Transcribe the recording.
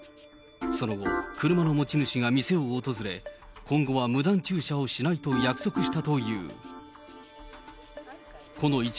その後、車の持ち主が店を訪れ、今後は無断駐車をしないと約束したという。